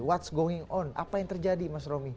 what's going on apa yang terjadi mas romi